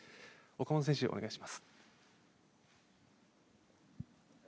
岡本選手、お願いします。